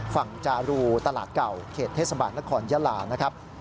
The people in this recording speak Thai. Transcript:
จารูตลาดเก่าเขตเทศบาลนครยาลานะครับ